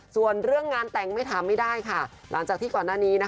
ส่วนเรื่องงานแต่งไม่ถามไม่ได้ค่ะหลังจากที่ก่อนหน้านี้นะคะ